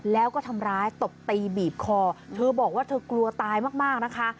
แล้วก็ทำร้ายตบตีบีบคอเธอบอกว่าเธอกลัวตายมากนะคะ